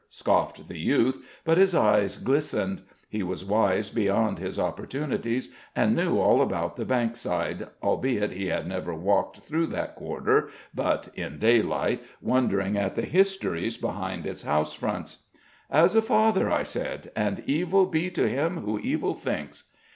scoffed the youth, but his eyes glistened. He was wise beyond his opportunities, and knew all about the Bankside, albeit he had never walked through that quarter but in daylight, wondering at the histories behind its house fronts. "As a father, I said; and evil be to him who evil thinks."